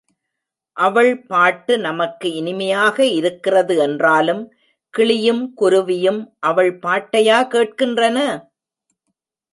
அவள் பாட்டு நமக்கு இனிமையாக இருக்கிறது என்றாலும், கிளியும், குருவியும் அவள் பாட்டையா கேட்கின்றன?